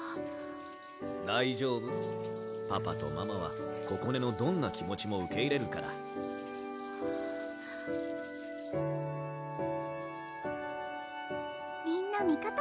大丈夫パパとママはここねのどんな気持ちも受け入れるからみんな味方パム